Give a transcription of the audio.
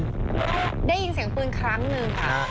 ได้ยินเสียงปืนครั้งหนึ่งค่ะ